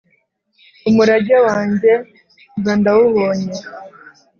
umurage wange mba ndawubonye.